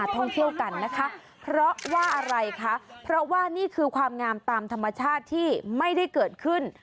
ท่องเที่ยวกันนะคะเพราะว่าอะไรคะเพราะว่านี่คือความงามตามธรรมชาติที่ไม่ได้เกิดขึ้น